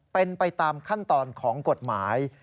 เป็นไปตามขั้นตอนของกฎหมาย